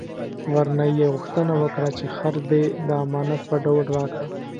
ورنه یې غوښتنه وکړه چې خر دې د امانت په ډول راکړه.